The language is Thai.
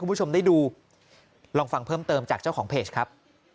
คุณผู้ชมได้ดูลองฟังเพิ่มเติมจากเจ้าของเพจครับ